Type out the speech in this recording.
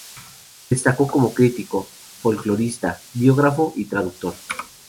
Destacó como crítico, folclorista, biógrafo y traductor.